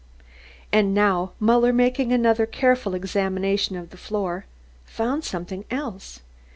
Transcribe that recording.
And now Muller, making another careful examination of the floor, found something else.